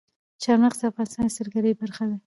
چار مغز د افغانستان د سیلګرۍ برخه ده.